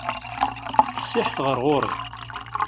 Qessiḥet ɣer ɣur-i.